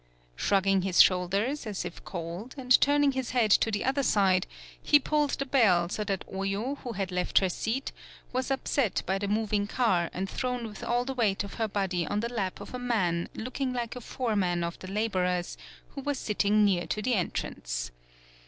Shrugging his shoulders, as if cold, and turning his head to the other side, he pulled the bell so that Oyo, who had left her seat, was upset by the mov ing car and thrown with all the weight of her body on the lap of a man look ing like a foreman of the laborers, who was sitting near to the entrance.